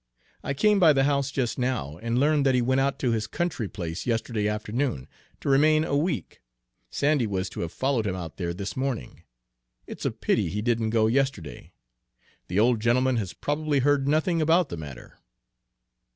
I came by the house just now, and learned that he went out to his country place yesterday afternoon, to remain a week. Sandy was to have followed him out there this morning, it's a pity he didn't go yesterday. The old gentleman has probably heard nothing about the matter."